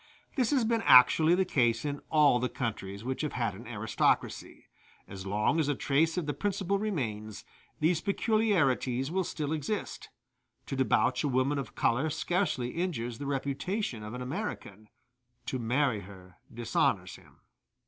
This has been actually the case in all the countries which have had an aristocracy; as long as a trace of the principle remains, these peculiarities will still exist; to debauch a woman of color scarcely injures the reputation of an American to marry her dishonors him.